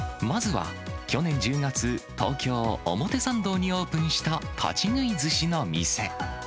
まずは去年１０月、東京・表参道にオープンした立ち食いずしの店。